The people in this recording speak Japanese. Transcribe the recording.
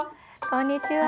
こんにちは。